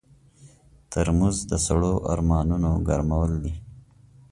ترموز د سړو ارمانونو ګرمول دي.